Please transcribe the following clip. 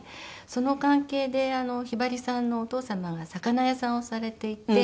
その関係でひばりさんのお父様が魚屋さんをされていて。